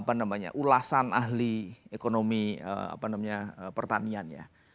apa namanya ulasan ahli ekonomi pertanian ya